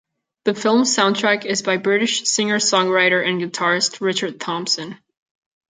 The film's soundtrack is by British singer-songwriter and guitarist Richard Thompson.